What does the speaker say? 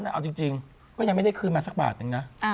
เอาจริงก็ยังไม่ได้คืนมาสักบาทนึงนะ